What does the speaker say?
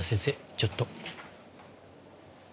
ちょっと。